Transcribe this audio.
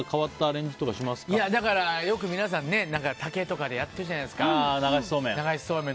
そうめんよく皆さん、竹とかでやってるじゃないですか。